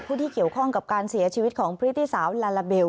ผู้ที่เกี่ยวข้องกับการเสียชีวิตของพฤติสาวลาลาเบล